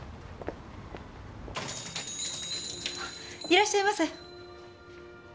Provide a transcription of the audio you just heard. いらっしゃいませ。